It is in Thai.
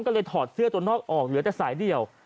ก็เลยถอดเสื้อตัวนอกออกเหลือแต่สายเดียว